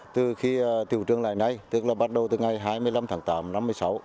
từ khi tiểu trường lại nay tức là bắt đầu từ ngày hai mươi năm tháng tám năm năm mươi sáu